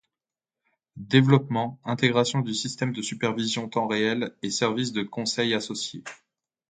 Développement, intégration de systèmes de supervision temps réel, et services de conseil associés.